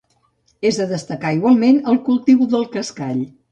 És de destacar igualment el cultiu del cascall.